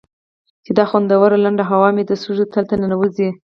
چې دا خوندوره لنده هوا مې د سږو تل ته ننوځي.